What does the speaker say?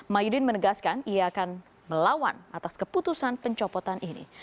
mahyudin menegaskan ia akan melawan atas keputusan pencopotan ini